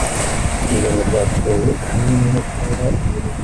Ibi ngo byatewe ahanini no kubura imirimo